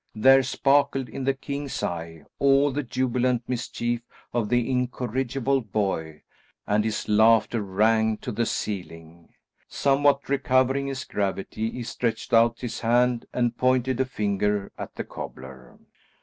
There sparkled in the king's eye all the jubilant mischief of the incorrigible boy, and his laughter rang to the ceiling. Somewhat recovering his gravity he stretched out his hand and pointed a finger at the cobbler.